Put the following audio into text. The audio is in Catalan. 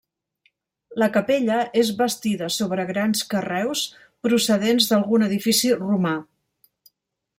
La capella és bastida sobre grans carreus procedents d'algun edifici romà.